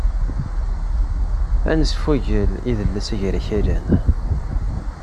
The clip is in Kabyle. Ad nesfugel idles agerakalan